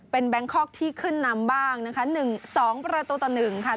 เป็นแบงคอกที่ขึ้นนำบ้างนะคะ๑๒ประตูต่อ๑ค่ะ